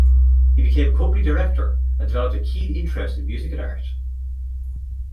He became a company director and developed a keen interest in music and art.